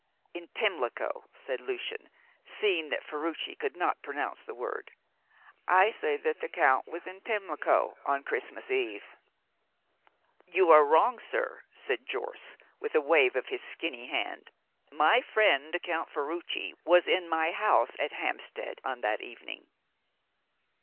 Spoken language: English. "In Pimlico," said Lucian, seeing that Ferruci could not pronounce the word. "I say that the Count was in Pimlico on Christmas Eve." "You are wrong, sir," said Jorce, with a wave of his skinny hand. "My friend, Count Ferruci, was in my house at Hampstead on that evening."